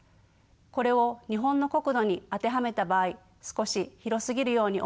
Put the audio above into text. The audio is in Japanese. これを日本の国土に当てはめた場合少し広すぎるように思いませんか？